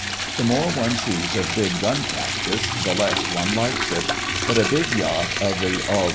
The more one sees of big gun practice the less one likes it; but a big yacht of the R.